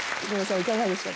いかがでしたか？